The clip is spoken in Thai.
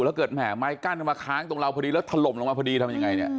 แล้วถล่มลงมาพอดีทำยังไง